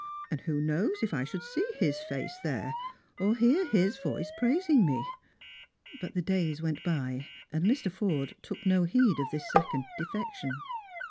And who knows if I should see his face there, or hear Ids voice praising me.'*" But the days went by, and Mr. Forde took no heed of thia second defection.